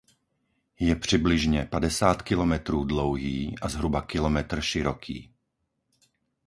Je přibližně padesát kilometrů dlouhý a zhruba kilometr široký.